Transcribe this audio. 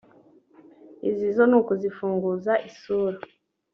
izi zo ni ukuzifunguza isura